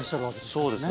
そうですね。